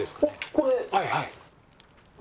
これ。